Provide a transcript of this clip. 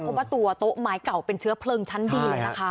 เพราะว่าตัวโต๊ะไม้เก่าเป็นเชื้อเพลิงชั้นดีเลยนะคะ